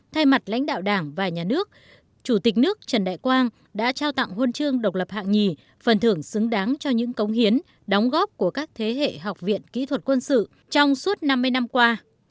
thay mặt lãnh đạo đảng và nhà nước chủ tịch nước trần đại quang đã trao tặng huân chương độc lập hạng nhì phần thưởng xứng đáng cho những công hiến đóng góp của các thế hệ học viện kỹ thuật quân sự trong suốt năm mươi năm qua